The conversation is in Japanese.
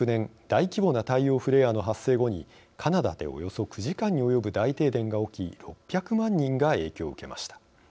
大規模な太陽フレアの発生後にカナダでおよそ９時間に及ぶ大停電が起き６００万人が影響を受けました。